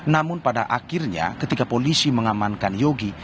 namun pada akhirnya ketika polisi mengamalkannya